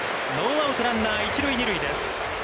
ノーアウト、ランナー一塁二塁です。